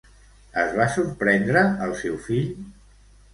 Es va sorprendre el seu fill?